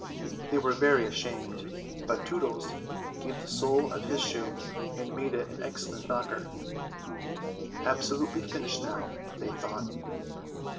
They were very ashamed, but Tootles gave the sole of his shoe, and it made an excellent knocker. Absolutely finished now, they thought.